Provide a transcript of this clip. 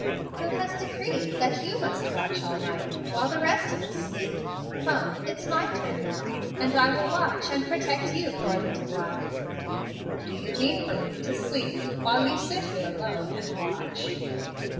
"Who has decreed that you must watch all night, while the rest of us sleep? Come, it's my turn now, and I will watch and protect you for a little while." "Do you mean for me to sleep while you sit here alone and watch?"